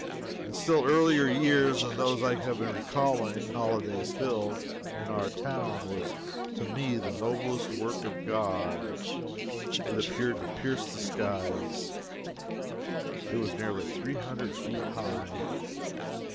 In still earlier years than those I have been recalling, Holliday's Hill, in our town, was to me the noblest work of God. It appeared to pierce the skies. It was nearly three hundred feet high.